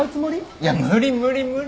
いや無理無理無理。